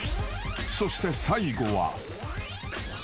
［そして最後は］